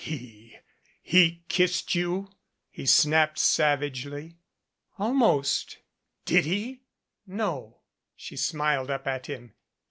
192 "He he kissed you?" he snapped savagely. "Almost " "Did he?" "No." She smiled up at him.